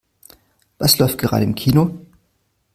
Was läuft gerade im Kino?